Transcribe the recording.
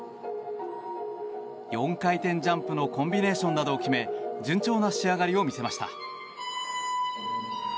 ４回転ジャンプのコンビネーションなどを決め順調な仕上がりを見せました。